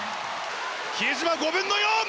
比江島５分の４！